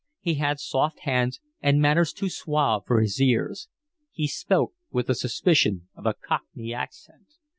He had soft hands and manners too suave for his years. He spoke with the suspicion of a cockney accent.